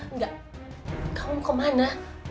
enggak kamu kemana